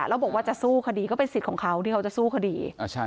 แล้วบอกว่าจะสู้คดีก็เป็นสิทธิ์ของเขาที่เขาจะสู้คดี